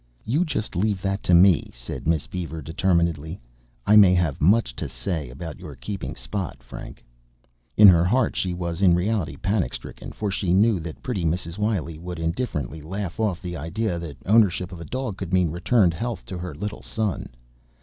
"You just leave that to me," said Miss Beaver determinedly. "I may have much to say about your keeping Spot, Frank." In her heart she was in reality panic stricken for she knew that pretty Mrs. Wiley would indifferently laugh off the idea that ownership of a dog could mean returned health to her little son.